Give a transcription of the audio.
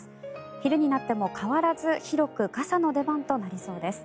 昼になっても変わらず広く傘の出番となりそうです。